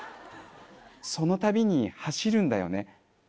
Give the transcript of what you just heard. その度に走るんだよね